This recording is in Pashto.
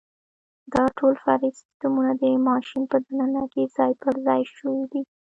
دا ټول فرعي سیسټمونه د ماشین په دننه کې ځای پرځای شوي دي.